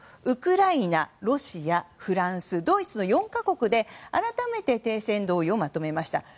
ウクライナ、ロシア、フランスドイツの４か国で改めて停戦合意をまとめました。